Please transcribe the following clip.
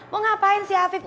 mau ngapain si afif